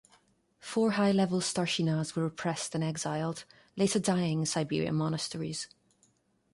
Four high level "starshynas" were repressed and exiled, later dying in Siberian monasteries.